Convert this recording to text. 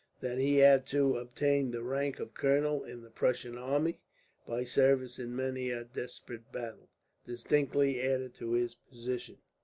That he had, too, obtained the rank of colonel in the Prussian army, by service in many a desperate battle, distinctly added to his position.